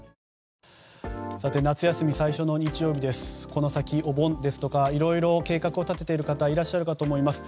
この先お盆ですとかいろいろ計画を立てている方いらっしゃるかと思います。